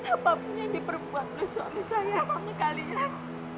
apapun yang diperbuat oleh suami saya sama kalian